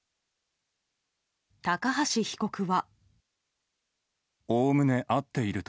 高橋被告は。